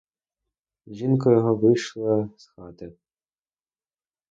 Жінка його вийшла з хати.